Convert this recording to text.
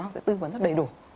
họ sẽ tư vấn rất đầy đủ